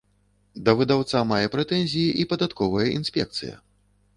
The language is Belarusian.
Да выдаўца мае прэтэнзіі і падатковая інспекцыя.